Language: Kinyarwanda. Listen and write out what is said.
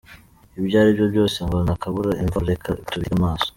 Ibyo aribyo byose ngo ntakabura imvano reka tubitege amaso